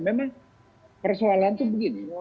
memang persoalan itu begini